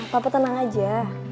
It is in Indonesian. papa tenang aja